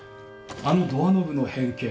あのドアノブの変形。